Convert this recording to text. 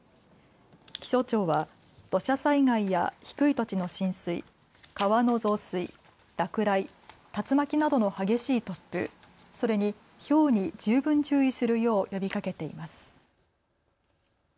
気象庁は土砂災害や低い土地の浸水、川の増水、落雷、竜巻などの激しい突風、それにひょうに十分注意するよう呼びかけています。